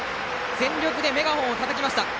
全力でメガホンをたたきました。